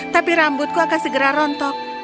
tapi rambutku akan segera rontok